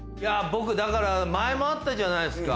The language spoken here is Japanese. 僕だから前もあったじゃないですか。